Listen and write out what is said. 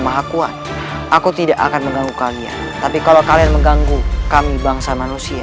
maha kuat aku tidak akan mengganggu kami kalau kalian mengganggu kami bangsa manusia